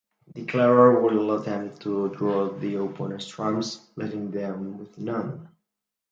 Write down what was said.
Declarer will attempt to draw the opponents' trumps, leaving them with none.